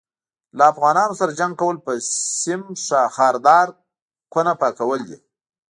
له افغانانو سره جنګ کول په سيم ښاردار کوونه پاکول دي